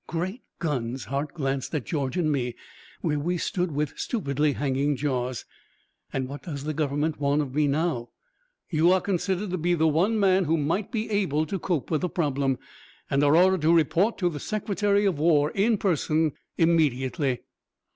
"Great guns!" Hart glanced at George and me, where we stood with stupidly hanging jaws. "And what does the government want of me now?" "You are considered to be the one man who might be able to cope with the problem, and are ordered to report to the Secretary of War, in person, immediately."